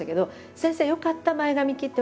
「先生よかった前髪切って。